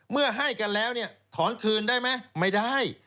เมื่อให้กันแล้วเนี่ยถอนคืนได้ไหมไม่ได้